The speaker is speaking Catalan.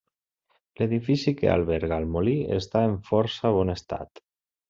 L’edifici que alberga el molí està en força bon estat.